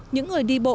những người đi bộ